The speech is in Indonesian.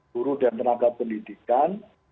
guru dan tenaga pendidikan